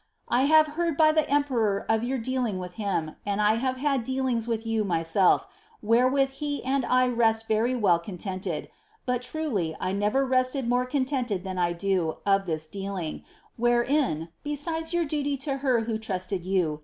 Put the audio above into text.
I have heard by the emperor of your dealing with him, and I have bad dealings wiib you myself, wherewith be and 1 re« very well contented, but, truly, 1 never rested more conlenteil than I do of dlli dealing, wherein, besides your duly to her who Iriisied you.